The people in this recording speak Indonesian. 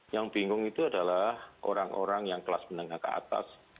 yang bingung itu adalah orang orang yang kelas menengah ke atas